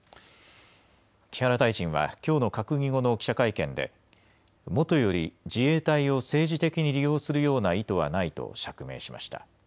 木原大臣はきょうの閣議後の記者会見でもとより自衛隊を政治的に利用するような意図はないと釈明しました。